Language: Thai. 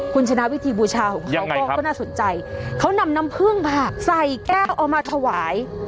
คุณชนะวิธีบูชาของเขาก็น่าสนใจเขานำน้ำพึ่งค่ะใส่แก้วเอามาถวาย